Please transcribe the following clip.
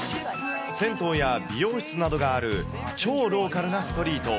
銭湯や美容室などがある超ローカルなストリート。